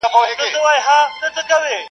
زه له غروره د ځوانۍ لکه نیلی درتللای -